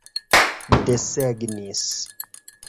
desegnis